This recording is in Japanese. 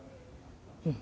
うん。